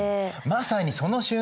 まさにその瞬間